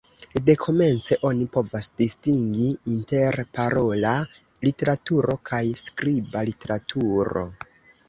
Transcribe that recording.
Dekomence oni povas distingi inter parola literaturo kaj skriba literaturo.